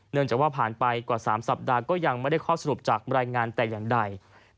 จากว่าผ่านไปกว่า๓สัปดาห์ก็ยังไม่ได้ข้อสรุปจากรายงานแต่อย่างใด